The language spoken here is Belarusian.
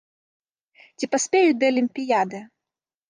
Ці паспеюць да алімпіяды?